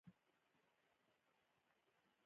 دوی مخونو ته ټکرې ورکړل.